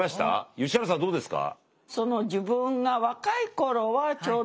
吉原さんどうですか？